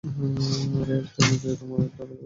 আর এক তুমি যে আমার জন্য একটা আলু পুরি বানাতে পারো না।